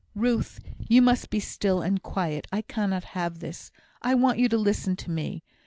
"Ruth! you must be still and quiet. I cannot have this. I want you to listen to me.